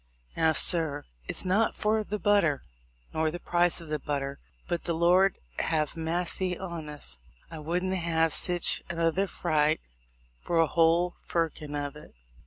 Now, sir, it's not for the butter, nor the price of the but ter, but, the Lord have massy on us, I wouldn't have sich another fright for a whole firkin of it.